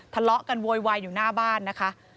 ทะเลาะกันโวยวายอยู่หน้าบ้านนะคะ